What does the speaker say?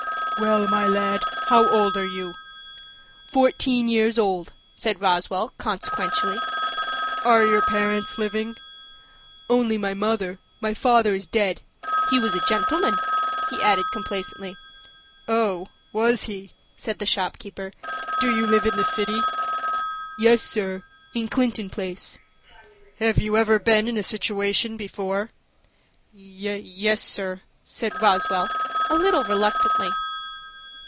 "Well, my lad, how old are you?" "Fourteen years old," said Roswell, consequentially. "Are your parents living?" "Only my mother. My father is dead. He was a gentleman," he added, complacently. "Oh, was he?" said the shop keeper. "Do you live in the city?" "Yes, sir. In Clinton Place." "Have you ever been in a situation before?" "Yes, sir," said Roswell, a little reluctantly.